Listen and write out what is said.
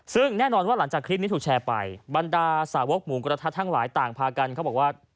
ซึ่งแน่นอนว่าหลังจากคลิปนี้ถูกแชร์ไปบรรดาสาวกหมูกระทะทั้งหลายต่างพากันเขาบอกว่า